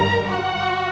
kau sudah pernah menemukan